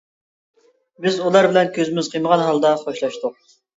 بىز ئۇلار بىلەن كۆزىمىز قىيمىغان ھالدا خوشلاشتۇق.